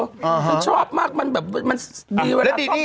อ๋อฮะชอบมากมันแบบมันดีเวลาชอบก็ได้แผน